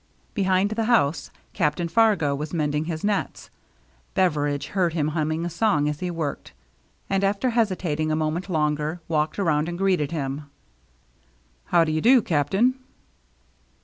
Behind the house Cap tain Fargo was mending his nets. Beveridge heard him humming a song as he worked, and after hesitating a moment longer walked around and greeted him. " How do you do, Captain."